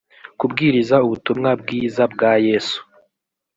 kubwiriza ubutumwa bwiza bwa yesu